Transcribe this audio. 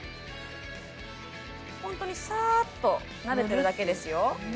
本当にサーッとなでてるだけですよ